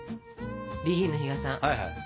ＢＥＧＩＮの比嘉さん